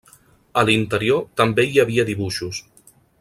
A l'interior també hi havia dibuixos.